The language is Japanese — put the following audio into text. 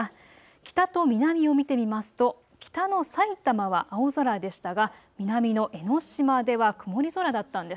北と南を見てみますと北のさいたまは青空でしたが南の江の島では曇り空だったんです。